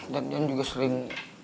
dan yan juga sering